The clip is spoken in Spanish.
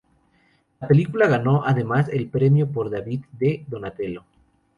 La película ganó, además, el premio David de Donatello.